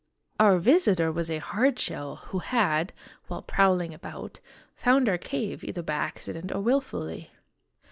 Our visitor was a hard shell who had, while prowling about, found our cave either by accident or wilfully.